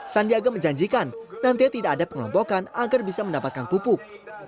sandiaga menjanjikan nanti tidak ada pengelompokan agar bisa mendapatkan pupuk